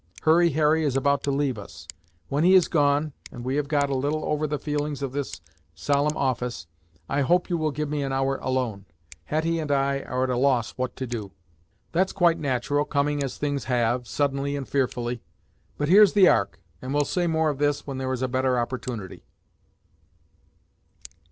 Hurry Harry is about to leave us; when he is gone, and we have got a little over the feelings of this solemn office, I hope you will give me an hour alone. Hetty and I are at a loss what to do." "That's quite nat'ral, coming as things have, suddenly and fearfully. But here's the Ark, and we'll say more of this when there is a better opportunity."